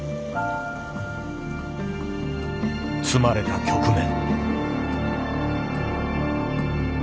詰まれた局面。